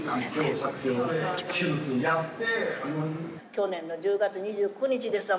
去年の１０月２９日ですわ。